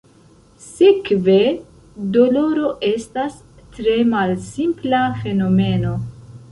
Sekve, doloro estas tre malsimpla fenomeno.